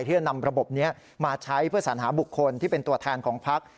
ที่จะนำระบบนี้มาใช้เพื่อสัญหาบุคคลที่เป็นตัวแทนของพัก